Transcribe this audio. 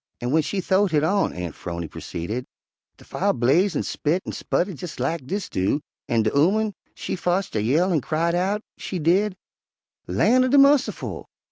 "An' w'en she th'owed hit on," Aunt 'Phrony proceeded, "de fire blaze an' spit an' sputter jes' lak dis do, an' de ooman she fotched a yell an' cried out, she did, 'Lan' er de mussiful!